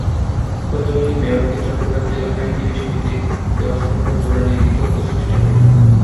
প্রথা ভেঙে মেয়রকে চট্টগ্রাম জেলা আইনজীবী সমিতির দেওয়া সংবর্ধনা নিয়ে বিতর্ক সৃষ্টি হয়।